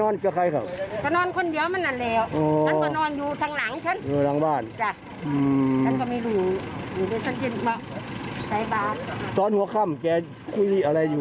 น่าก็นอนอยู่